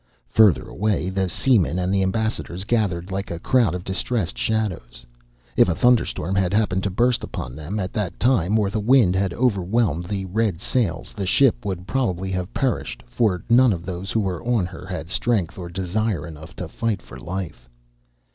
Further away the seamen and the ambassadors gathered like a crowd of distressed shadows. If a thunderstorm had happened to burst upon them at that time or the wind had overwhelmed the red sails, the ship would probably have perished, for none of those who were on her had strength or desire enough to fight for life.